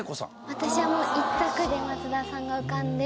私はもう一択で松田さんが浮かんで。